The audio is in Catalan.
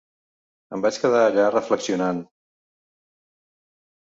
Em vaig quedar allà reflexionant.